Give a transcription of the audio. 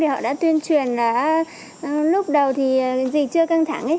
họ đã tuyên truyền là lúc đầu thì dịch chưa căng thẳng